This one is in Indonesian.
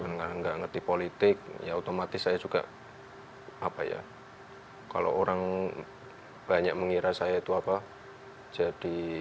menengah enggak ngerti politik ya otomatis saya juga apa ya kalau orang banyak mengira saya itu apa jadi